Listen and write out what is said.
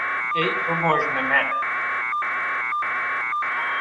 Ey bimojne mi